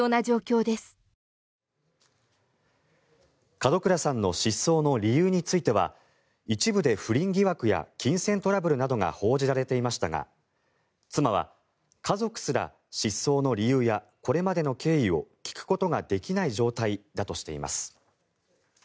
門倉さんの失踪の理由については一部で不倫疑惑や金銭トラブルなどが報じられていましたが妻は家族すら失踪の理由やこれまでの経緯を聞くことができない状態だとしています。